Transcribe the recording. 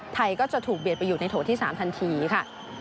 ไทยก็จะถูกเบียดไปอยู่ในโถที่๓ทันทีค่ะ